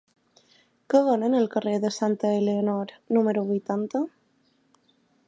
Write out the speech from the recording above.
Què venen al carrer de Santa Elionor número vuitanta?